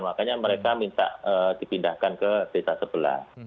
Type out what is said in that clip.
makanya mereka minta dipindahkan ke desa sebelah